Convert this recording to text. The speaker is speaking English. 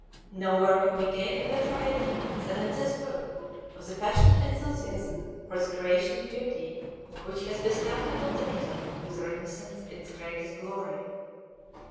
Nowhere can we gain a better idea than in this book of the passionate enthusiasm for the creation of beauty which has bestowed upon the Italy of the Renaissance its greatest glory.